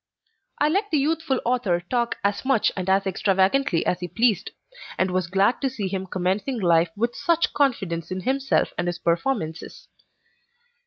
I let the youthful author talk as much and as extravagantly as he pleased, and was glad to see him commencing life with such confidence in himself and his performances.